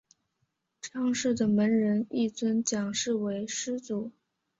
章氏的门人亦尊蒋氏为师祖。